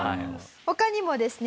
他にもですね